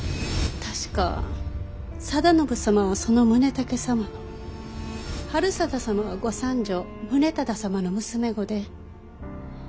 確か定信様はその宗武様の治済様はご三女宗尹様の娘御で。